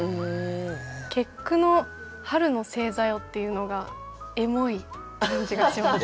結句の「春の星座よ」っていうのがエモい感じがしますね。